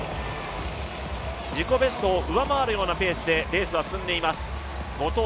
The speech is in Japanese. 自己ベストを上回るようなペースでレースは進んでいます。